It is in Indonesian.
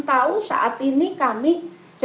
masak masaknya bagi dia